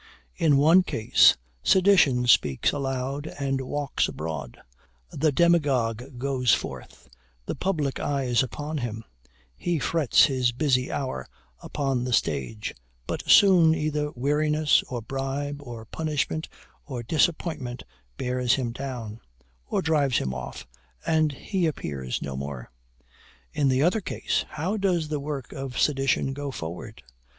In one case, sedition speaks aloud and walks abroad; the demagogue goes forth; the public eye is upon him; he frets his busy hour upon the stage; but soon either weariness, or bribe, or punishment, or disappointment, bears him down, or drives him off, and he appears no more. In the other case, how does the work of sedition go forward?